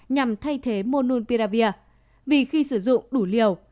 nhằm thay thế mononpiravir vì khi sử dụng đủ liều